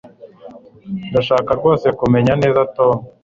ndashaka rwose kumenya neza tom